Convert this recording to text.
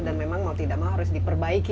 dan memang mau tidak mau harus diperbaiki